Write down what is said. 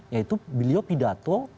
yaitu beliau pidato